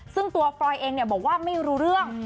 ซึ่งตัวฟรอยเองบอกว่าไม่รู้เรื่อง